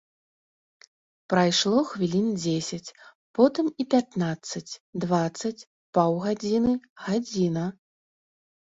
Прайшло хвілін дзесяць, потым і пятнаццаць, дваццаць, паўгадзіны, гадзіна.